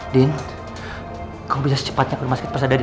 din kamu bisa secepatnya ke rumah sakit pas ada din